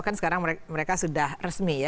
kan sekarang mereka sudah resmi ya